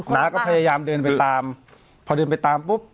น้าก็พยายามเดินไปตามพอเดินไปตามปุ๊บ